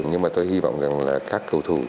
nhưng mà tôi hy vọng rằng là các cầu thủ